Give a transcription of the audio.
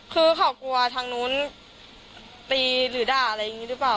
คือเขากลัวทางนู้นตีหรือด่าอะไรอย่างนี้หรือเปล่า